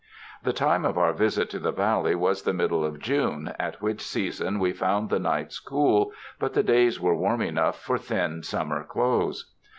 The time of our visit to the Valley was the middle of June, at which season we found the nights cool, but the days were warm enough for thin summer clothes.